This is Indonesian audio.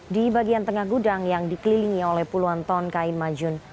di bagian tengah gudang yang dikelilingi oleh puluhan ton kain majun